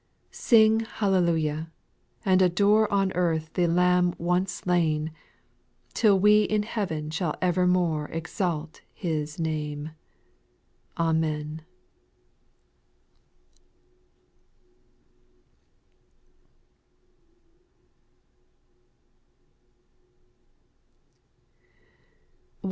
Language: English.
Sing Hallelujah, and adore On earth the Lamb once slain, Till we in heaven shall evermore Exalt His name. Amen